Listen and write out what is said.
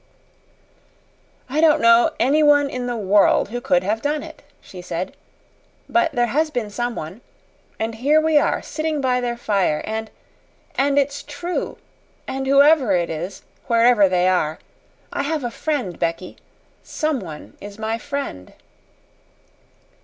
"I don't know anyone in the world who could have done it," she said; "but there has been someone. And here we are sitting by their fire and and it's true! And whoever it is wherever they are I have a friend, Becky someone is my friend."